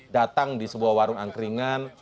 datang di sebuah warung angkringan